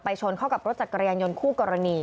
ชนเข้ากับรถจักรยานยนต์คู่กรณี